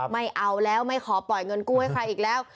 ไม่เอาแล้วไม่ขอปล่อยเงินกู้ให้ใครอีกแล้ว